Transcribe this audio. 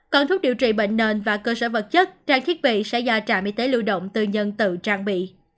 còn thuốc điều trị bệnh nền và cơ sở vật chất trang thiết bị sẽ do trạm y tế lưu động tư nhân tự trang bị